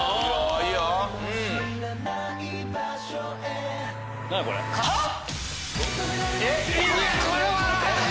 いやこれは。え⁉